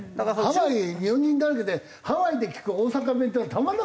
ハワイ日本人だらけでハワイで聞く大阪弁ってたまんなかったな。